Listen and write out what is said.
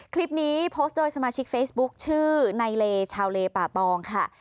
คลิปนี้โพสต์โดยสมาชิกเฟซบุ๊คชื่อในเลชาวเลป่าตองค่ะ